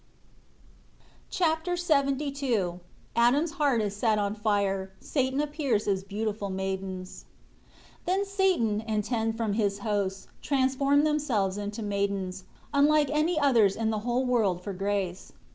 Chapter LXXII Adam's heart is set on fire. Satan appears as beautiful maidens. 1 Then Satan, and ten from his hosts, transformed themselves into maidens, unlike any others in the whole world for grace.